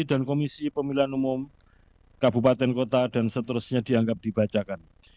dan komisi pemilihan umum kabupaten kota dan seterusnya dianggap dibacakan